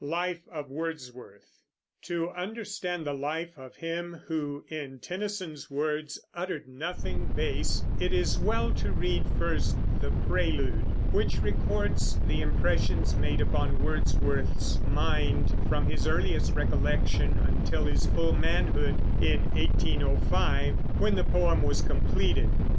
LIFE OF WORDSWORTH. To understand the life of him who, in Tennyson's words, "uttered nothing base," it is well to read first The Prelude, which records the impressions made upon Wordsworth's mind from his earliest recollection until his full manhood, in 1805, when the poem was completed.